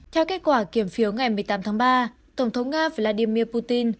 theo kết quả kiểm phiếu ngày một mươi tám tháng ba tổng thống nga vladimir putin